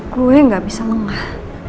gua gak bisa mengal